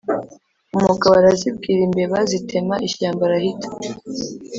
umugabo Arazibwira Imbeba zitema ishyamba arahita;